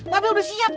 pape udah siap nih